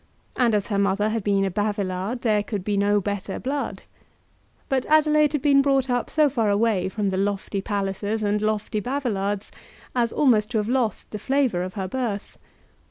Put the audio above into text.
And as her mother had been a Bavilard there could be no better blood. But Adelaide had been brought up so far away from the lofty Pallisers and lofty Bavilards as almost to have lost the flavour of her birth.